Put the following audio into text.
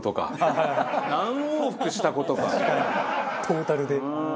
トータルで。